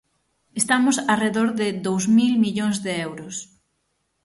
Estamos arredor de dous mil millóns de euros.